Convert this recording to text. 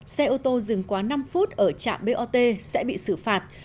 xe ô tô dừng quá năm phút ở trạm bot sẽ bị xử phạt